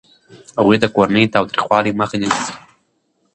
هغوی د کورني تاوتریخوالي مخه نیسي.